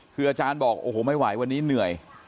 คืออาจารย์บอกโอ้โหไม่ไหววันนี้เหนื่อย